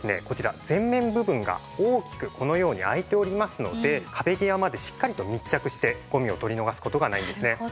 こちら前面部分が大きくこのように開いておりますので壁際までしっかりと密着してゴミを取り逃す事がないんですね。